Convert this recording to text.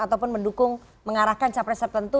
ataupun mendukung mengarahkan capres tertentu